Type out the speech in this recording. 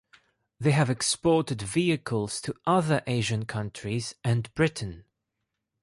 They have exported vehicles to other Asian countries and Britain.